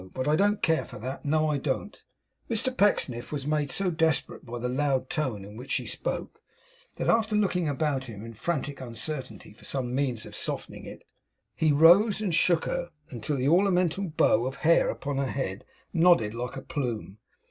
But I don't care for that. No, I don't!' Mr Pecksniff was made so desperate by the loud tone in which she spoke, that, after looking about him in frantic uncertainty for some means of softening it, he rose and shook her until the ornamental bow of hair upon her head nodded like a plume.